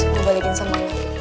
gue balikin sama dia